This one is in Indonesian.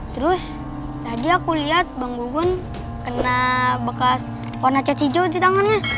terus tadi aku lihat bang gugun kena bekas warna cat hijau di tangannya